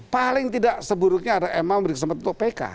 paling tidak seburuknya ada emang berkesempatan untuk pk